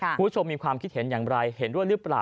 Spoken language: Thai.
คุณผู้ชมมีความคิดเห็นอย่างไรเห็นด้วยหรือเปล่า